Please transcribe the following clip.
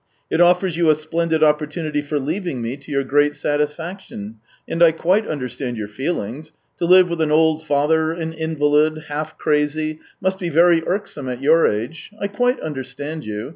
It offers you a splendid oppor tunity for leaving me, to your great satisfaction. And I quite understand your feelings. To live with an old father, an invalid, half crazy, must be 202 THE TALES OF TCHEHOV very irksome at your age. I quite understand you.